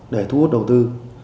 để thu hút đầu tư